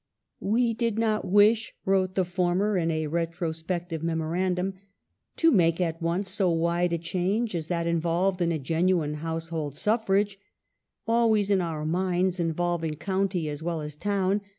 ^" We did not wish," wrote the former in a retrospective Memorandum, " to make at once so wide a change as that involved in a genuine household suffrage (always in our minds involving county as well as town)